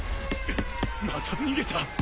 また逃げた！？